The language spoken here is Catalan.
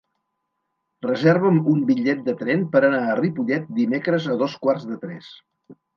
Reserva'm un bitllet de tren per anar a Ripollet dimecres a dos quarts de tres.